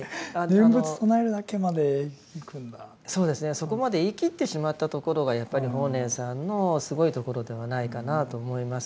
そこまで言い切ってしまったところがやっぱり法然さんのすごいところではないかなと思います。